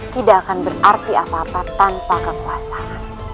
tidak akan berarti apa apa tanpa kekuasaan